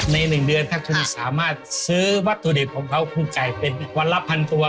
ใน๑เดือนถ้าคุณสามารถซื้อวัตถุดินของเขาคุณไก่เป็นอีกวันละ๑๐๐๐ตัว